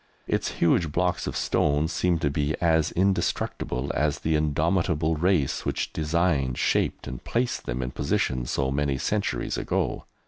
Its huge blocks of stone seem to be as indestructible as the indomitable race which designed, shaped, and placed them in position so many centuries ago.